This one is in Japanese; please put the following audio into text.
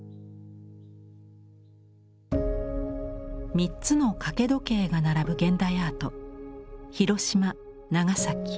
３つの掛け時計が並ぶ現代アート。